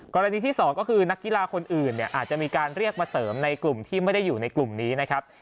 กรณีที่๒ก็คือนักกีฬาคนอื่นเนี่ยอาจจะมีการเรียกมาเสริมในกลุ่มที่ไม่ได้อยู่ในกลุ่มนี้นะครับ